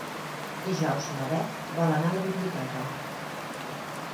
Dijous na Bet vol anar a la biblioteca.